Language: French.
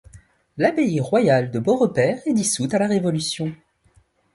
L'abbaye royale de Beaurepaire est dissoute à la Révolution.